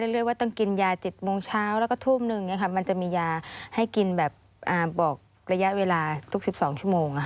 ระยะเวลาทุก๑๒ชั่วโมง